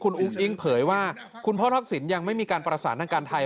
คุณอุ้งอิ๊งเผยว่าคุณพ่อทักษิณยังไม่มีการประสานทางการไทย